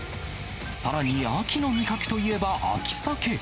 さらに秋の味覚といえば、秋サケ。